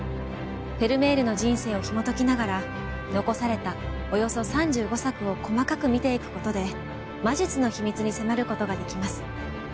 フェルメールの人生をひもときながら残されたおよそ３５作を細かく見ていくことで魔術の秘密に迫ることができます。